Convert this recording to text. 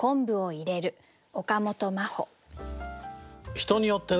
人によってね